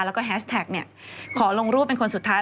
แล้วก็แฮชแท็กขอลงรูปเป็นคนสุดท้าย